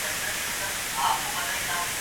وہ صرف نظری ابہام پیدا کرتے ہیں۔